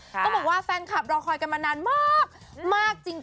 ต้องบอกว่าแฟนคลับรอคอยกันมานานมากจริง